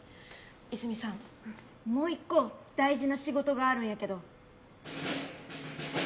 いづみさんもう一個大事な仕事があるんやけど。